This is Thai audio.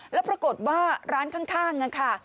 แล้วปรากฏว่าร้านข้างค่ะ